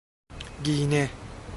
گینه